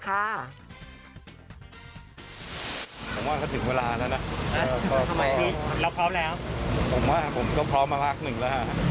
ผมว่าผมก็พร้อมมาพักหนึ่งแล้วฮะ